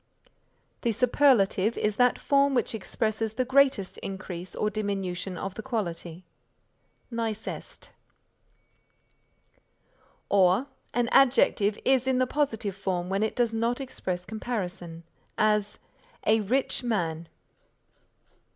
The superlative is that form which expresses the greatest increase or diminution of the quality: nicest. or An adjective is in the positive form when it does not express comparison; as, "A rich man."